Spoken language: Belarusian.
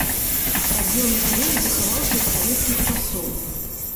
Падзел на раёны захаваўся з савецкіх часоў.